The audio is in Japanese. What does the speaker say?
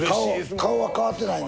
顔は変わってないの？